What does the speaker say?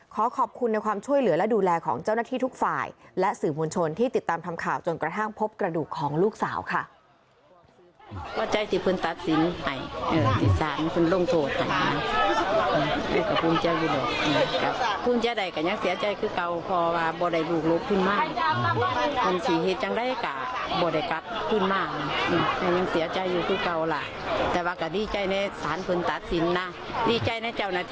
ขอขอบคุณในความช่วยเหลือและดูแลของเจ้าหน้าที่ทุกฝ่ายและสื่อมวลชนที่ติดตามทำข่าวจนกระทั่งพบกระดูกของลูกสาวค่ะ